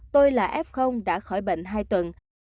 tôi là f đã khỏi bệnh hai tuần